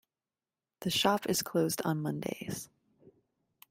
The shop is closed on Mondays.